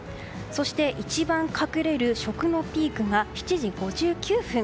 そして、一番隠れる食のピークが７時５９分。